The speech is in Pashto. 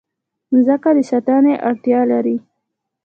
مځکه د ساتنې اړتیا لري.